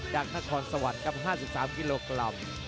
จากนครสวรรค์ครับ๕๓กิโลกรัม